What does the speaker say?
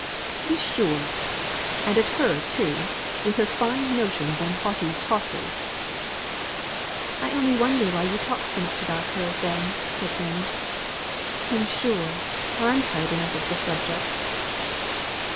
"To be sure! and at her too, with her fine notions, and haughty tosses!" "I only wonder why you talk so much about her, then," said Fanny. "I'm sure, I'm tired enough of the subject."